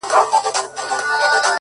• کوي او سوکاله وي ,